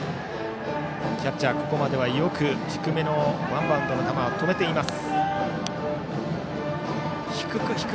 キャッチャーここまではよく低めのワンバウンドも止めている。